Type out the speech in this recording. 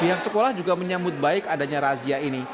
pihak sekolah juga menyambut baik adanya razia ini